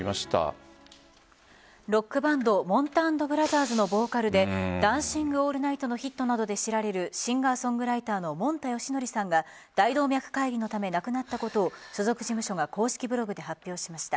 ロックバンドもんた＆ブラザーズのボーカルで「ダンシング・オールナイト」のヒットなどで知られるシンガー・ソングライターのもんたよしのりさんが大動脈解離のため亡くなったことを所属事務所が公式ブログで発表しました。